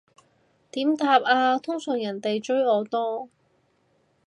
點答啊，通常人哋追我多